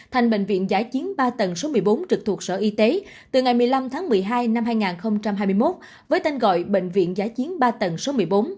thành bệnh viện giã chiến ba tầng số một mươi bốn trực thuộc sở y tế từ ngày một mươi năm tháng một mươi hai năm hai nghìn hai mươi một với tên gọi bệnh viện giã chiến ba tầng số một mươi bốn